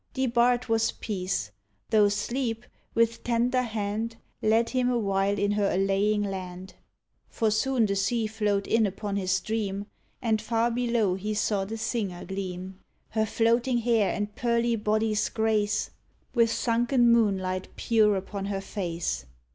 Debarred was peace, tho' Sleep, with tender hand, Led him awhile in her allaying land; For soon the sea flowed in upon his dream And far below he saw the Singer gleam — Her floating hair and pearly body's grace, 16 DUANDON With sunken moonlight pure upon her face.